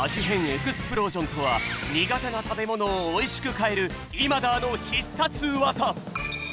変エクスプロージョンとは苦手な食べものをおいしく変えるイマダーの必殺技。